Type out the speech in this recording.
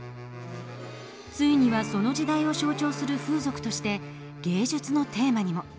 ついにはその時代を象徴する風俗として芸術のテーマにも。